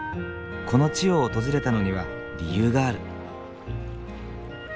この地を訪れたのには理由がある。